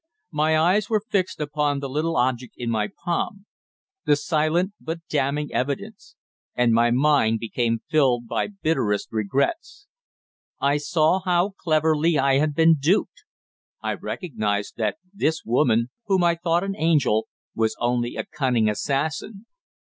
My eyes were fixed upon the little object in my palm the silent but damning evidence and my mind became filled by bitterest regrets. I saw how cleverly I had been duped I recognised that this woman, whom I thought an angel, was only a cunning assassin.